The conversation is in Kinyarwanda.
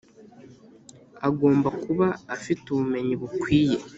agomba kuba afite ubumenyi bukwiye.